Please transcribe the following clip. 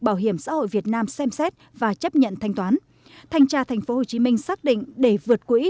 bảo hiểm xã hội việt nam xem xét và chấp nhận thanh toán thanh tra tp hcm xác định để vượt quỹ